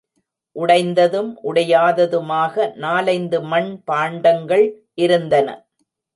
உடைந்ததும், உடையாததுமாக நாலைந்து மண்பாண்டங்கள் இருந்தன.